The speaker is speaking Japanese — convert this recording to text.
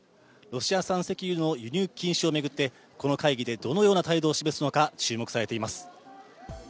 ロシア産石油の輸入禁止を巡ってこの会議でどのような態度を示すのか注目されています。